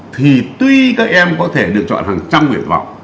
thì tuy các em có thể lựa chọn hàng trăm nguyện vọng